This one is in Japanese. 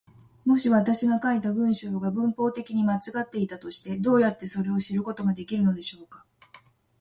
もし私が書いた文章が文法的に間違っていたとして、どうやってそれを知ることができるのでしょうか。